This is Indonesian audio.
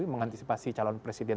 mengantisipasi calon presiden